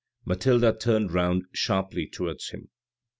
Mathilde turned round sharply towards him.